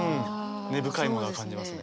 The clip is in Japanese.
根深いものは感じますね。